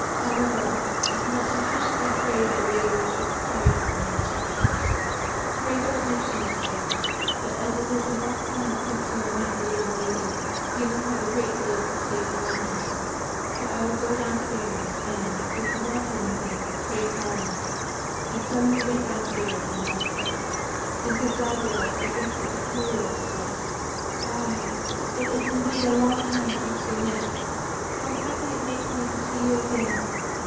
However, I cannot sufficiently praise the way in which you have carried out my instructions." "Pray, don't mention it, sir. But as it is a long time since you have met the young lady, you must have a great deal to say to one another; so I will go downstairs, and, if you want anything, pray call me." And so he went downstairs and left them. Then Genzaburô, addressing O Koyo, said, "Ah! it is indeed a long time since we met. How happy it makes me to see you again!